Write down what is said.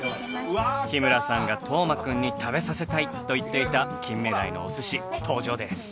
日村さんが斗真くんに食べさせたいと言っていた金目鯛のお寿司登場です。